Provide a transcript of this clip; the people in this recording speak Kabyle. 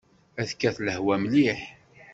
Ad tekkat lehwa mliḥ.